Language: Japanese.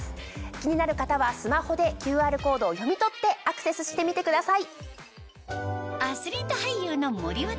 気になる方はスマホでＱＲコードを読み取ってアクセスしてみてください。